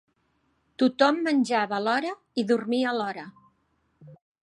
Tot-hom menjava a l'hora, i dormia a l'hora